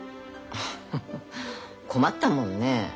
フフッ困ったもんね。